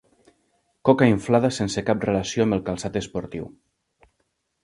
Coca inflada sense cap relació amb el calçat esportiu.